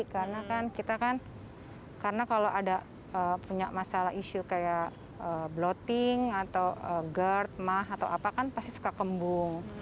karena kan kita kan karena kalau ada punya masalah isu kayak bloating atau gerd mah atau apa kan pasti suka kembung